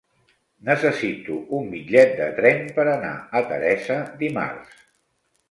Necessito un bitllet de tren per anar a Teresa dimarts.